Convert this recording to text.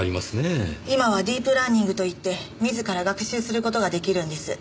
今はディープラーニングといって自ら学習する事が出来るんです。